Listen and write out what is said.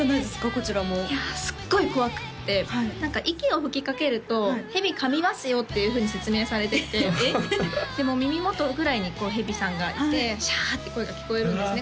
こちらもいやすっごい怖くって何か息を吹きかけると蛇噛みますよっていうふうに説明されててでも耳元ぐらいにこう蛇さんがいてシャーッて声が聞こえるんですね